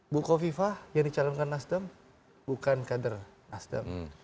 buko viva yang dicalonkan nasdem bukan kader nasdem